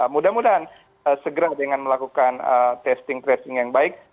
mudah mudahan segera dengan melakukan testing tracing yang baik